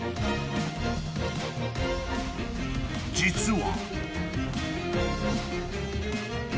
［実は］